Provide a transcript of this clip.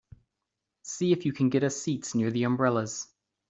See if you can get us seats near the umbrellas.